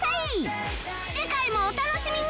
次回もお楽しみに！